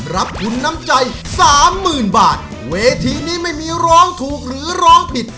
รับทุนน้ำใจสามหมื่นบาทเวทีนี้ไม่มีร้องถูกหรือร้องผิด